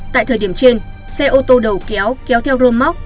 tại thời điểm trên xe ô tô đầu kéo kéo theo rơm móc